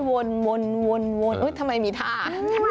ค่อยวนวนทำไมมีท่า